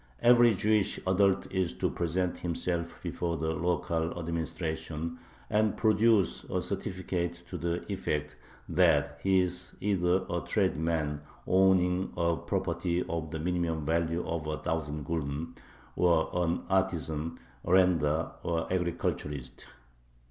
Every Jewish adult is to present himself before the local administration and produce a certificate to the effect that he is either a tradesman owning property of the minimum value of a thousand gulden, or an artisan, arendar, or agriculturist.